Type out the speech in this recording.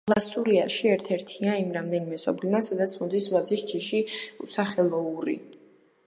ლასურიაში ერთ-ერთია იმ რამდენიმე სოფლიდან, სადაც მოდის ვაზის ჯიში უსახელოური.